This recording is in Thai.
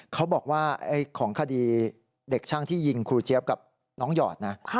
เขาบอกว่าของคดีเด็กช่างที่ยิงครูเจี๊ยบกับน้องหยอดนะ